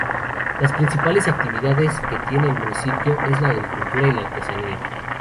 Las principales actividades que tiene el municipio es la agricultura y la artesanía.